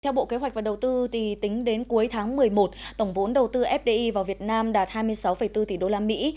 theo bộ kế hoạch và đầu tư tính đến cuối tháng một mươi một tổng vốn đầu tư fdi vào việt nam đạt hai mươi sáu bốn tỷ đô la mỹ